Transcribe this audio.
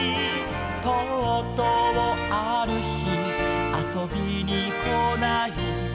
「とうとうある日遊びに来ない」